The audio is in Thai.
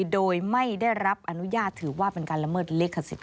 โดยไม่ได้รับอนุญาตถือว่าเป็นการละเมิดลิขสิทธ